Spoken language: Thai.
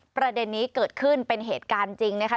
ประเด็นนี้เกิดขึ้นเป็นเหตุการณ์จริงนะคะ